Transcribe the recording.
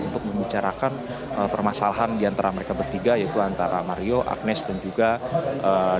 untuk membicarakan permasalahan di antara mereka bertiga yaitu antara mario agnes dan juga dengan